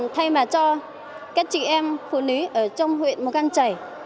thay mà cho các chị em phụ nữ ở trong huyện mông căng chảy